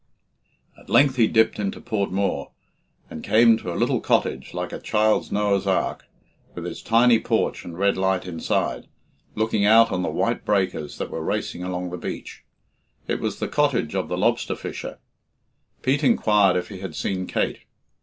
At length he dipped into Port Mooar, and came to a little cottage like a child's Noah's ark, with its tiny porch and red light inside, looking out on the white breakers that were racing along the beach. It was the cottage of the lobster fisher. Pete inquired if he had seen Kate.